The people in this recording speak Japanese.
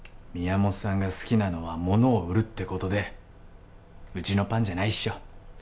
宮本さんが好きなのは物を売るってことでうちのパンじゃないっしょ